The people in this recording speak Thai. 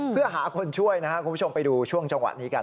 เพื่อหาคนช่วยนะครับคุณผู้ชมไปดูช่วงจังหวะนี้กัน